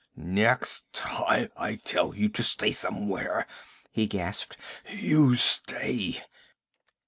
'Next time I tell you to stay somewhere,' he gasped, 'you stay!'